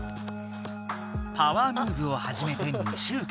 パワームーブをはじめて２週間。